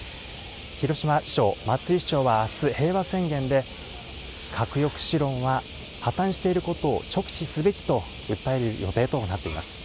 広島市長、松井市長はあす、平和宣言で、核抑止論は破綻していることを直視すべきと訴える予定となっています。